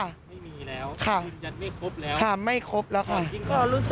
ไม่มีแล้วค่ะยืนยันไม่คุกแล้วค่ะไม่คุกแล้วค่ะ